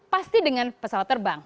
pasti dengan pesawat terbang